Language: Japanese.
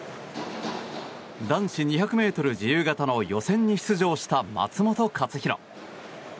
男子２００ｍ自由形の予選に出場した松元克央。